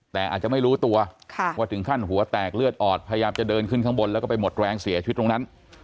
แต่อาจจะไม่รู้ตัวว่าถึงขั้นหัวแตกเลือดออดพยายามจะเดินขึ้นข้างบนแล้วก็ไปหมดแรงเสียชีวิตตรงนั้น